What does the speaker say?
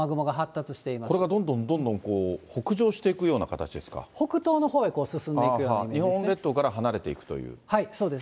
これがどんどんどんどんこう、北東のほうへ進んでいくよう日本列島から離れていくといそうです。